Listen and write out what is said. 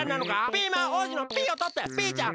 ピーマン王子の「ピー」をとってピーちゃん！